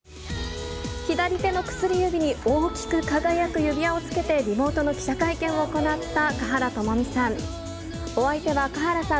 左手の薬指に大きく輝く指輪をつけてリモートの記者会見を行った華原朋美さん。